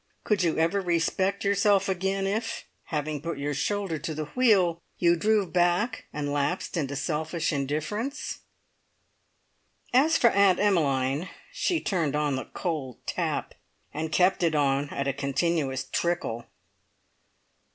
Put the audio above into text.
Could you ever respect yourself again if, having put your shoulder to the wheel, you drew back and lapsed into selfish indifference?" As for Aunt Emmeline, she turned on the cold tap, and kept it on at a continuous trickle.